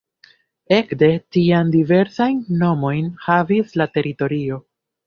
Ekde tiam diversajn nomojn havis la teritorio.